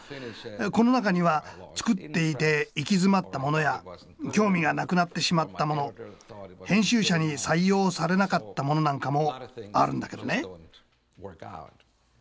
この中には作っていて行き詰まったものや興味がなくなってしまったもの編集者に採用されなかったものなんかもあるんだけどね。